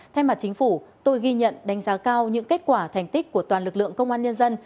thay mặt chính phủ tôi ghi nhận đánh giá cao những kết quả thành tích của toàn lực lượng công an nhân dân